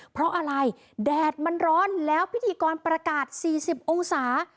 เพราะอะไรแดดมันร้อนแล้วพิธีกรประกาศ๔๐องศา